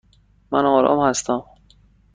من آرام هستم.